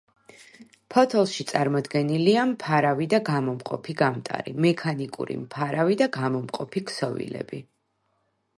ფოთოლში წარმოდგენილია მფარავი და გამომყოფი გამტარი, მექანიკური მფარავი და გამომყოფი ქსოვილები.